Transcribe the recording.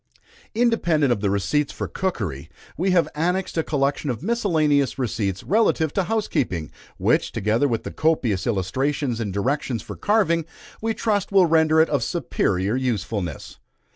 Independent of the receipts for cookery, we have annexed a collection of miscellaneous receipts relative to housekeeping, which, together with the copious illustrations and directions for carving, we trust will render it of superior usefulness.